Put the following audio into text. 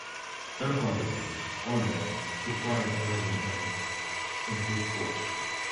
Ten competitors, all men, took part in eleven events in two sports.